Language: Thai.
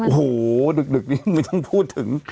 โอ้โหดึกนี้ไม่ต้องพูดถึง